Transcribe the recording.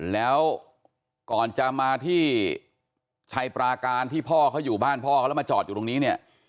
แล้วก่อนจะมาที่ชัยปราการที่พ่อเขาอยู่บ้านพ่อเขาแล้วมาจอดอยู่ตรงนี้เนี่ย